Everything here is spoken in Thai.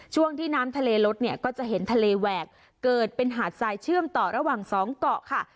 ช่วงที่น้ำทะเลลดเนี่ยก็จะเห็นทะเลแหวกเกิดเป็นหาดทรายเชื่อมต่อระหว่างสองเกาะค่ะ